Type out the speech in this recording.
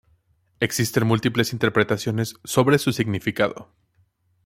Existen múltiples interpretaciones sobre su significado.